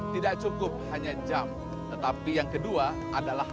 tidak cukup hanya jam tetapi yang kedua adalah